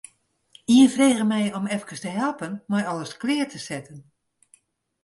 Ien frege my om efkes te helpen mei alles klear te setten.